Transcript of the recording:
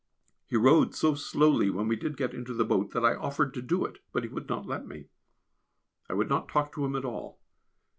He rowed so slowly when we did get into the boat that I offered to do it, but he would not let me. I would not talk to him at all.